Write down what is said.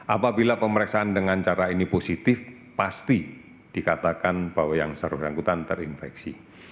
apabila pemeriksaan dengan cara ini positif pasti dikatakan bahwa yang bersangkutan terinfeksi